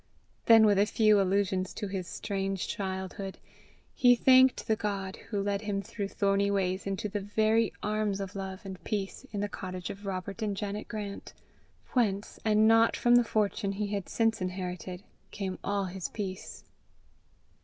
Then with a few allusions to his strange childhood, he thanked the God who led him through thorny ways into the very arms of love and peace in the cottage of Robert and Janet Grant, whence, and not from the fortune he had since inherited, came all his peace.